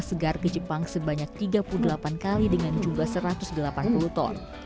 segar ke jepang sebanyak tiga puluh delapan kali dengan jumlah satu ratus delapan puluh ton